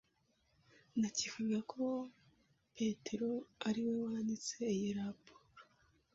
Nakekaga ko Petero ari we wanditse iyi raporo.